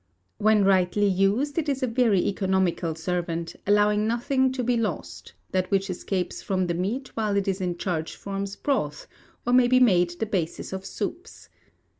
When rightly used, it is a very economical servant, allowing nothing to be lost; that which escapes from the meat while in its charge forms broth, or may be made the basis of soups.